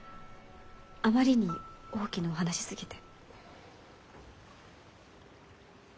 あまりに大きなお話すぎて。